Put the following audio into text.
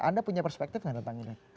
anda punya perspektif mengenai tanggung jawab